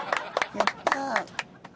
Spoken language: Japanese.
やった！